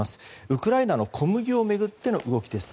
ウクライナの小麦を巡っての動きです。